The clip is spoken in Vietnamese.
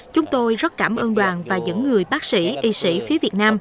chúng tôi rất cảm ơn đoàn và những người bác sĩ y sĩ phía việt nam